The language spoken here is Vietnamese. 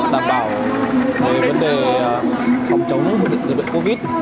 đảm bảo về vấn đề phòng chống dịch dịch dịch covid